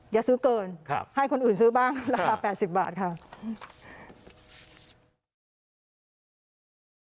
อย่าซื้อเกินให้คนอื่นซื้อบ้างราคา๘๐บาทค่ะ